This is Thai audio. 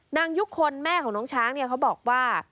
นางยุคคลแม่ของน้องช้างเขาบอกว่า